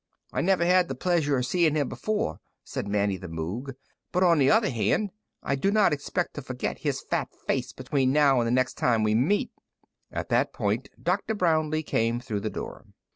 "I never had the pleasure of seeing him before," said Manny the Moog, "but, on the other hand, I do not expect to forget his fat face between now and the next time we meet." At that point, Dr. Brownlee came through the door.